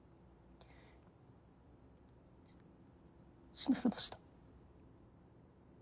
死なせました。